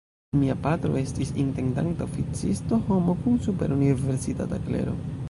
Mia patro estis intendanta oficisto, homo kun supera universitata klero.